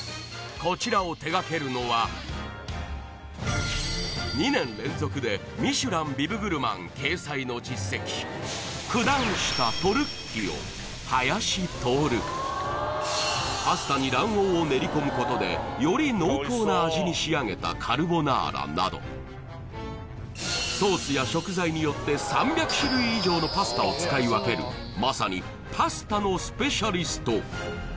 こちらを２年連続でミシュランビブグルマン掲載の実績パスタに卵黄を練り込むことでより濃厚な味に仕上げたカルボナーラなどソースや食材によって３００種類以上のパスタを使い分けるまさにパスタのスペシャリスト